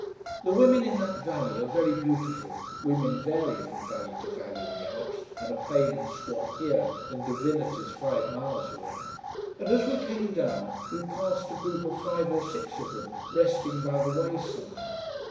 The women in that valley are very beautiful women vary from valley to valley in the Alps and are plain and squat here and divinities five miles away and as we came down we passed a group of five or six of them resting by the wayside.